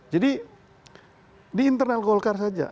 di internal golkar saja